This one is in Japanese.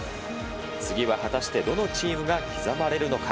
次は果たしてどのチームが刻まれるのか。